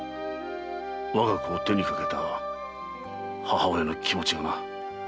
我が子を手にかけた母親の気持ちもな。